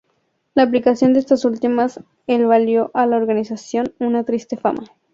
La aplicación de estas últimas le valió a la organización una triste fama.